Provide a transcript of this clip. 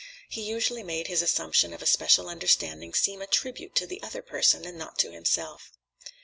He usually made his assumption of a special understanding seem a tribute to the other person and not to himself.